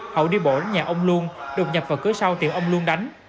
hậu đi bộ đến nhà ông luân đục nhập vào cửa sau tiệm ông luân đánh